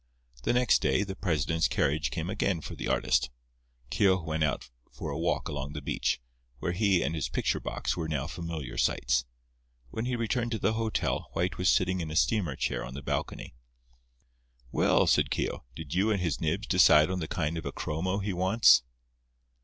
The next day the president's carriage came again for the artist. Keogh went out for a walk along the beach, where he and his "picture box" were now familiar sights. When he returned to the hotel White was sitting in a steamer chair on the balcony. "Well," said Keogh, "did you and His Nibs decide on the kind of a chromo he wants?"